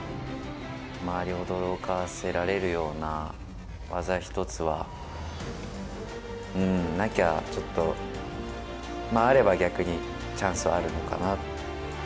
周りを驚かせられるような技１つはなきゃ、ちょっと、あれば逆にチャンスはあるのかなと。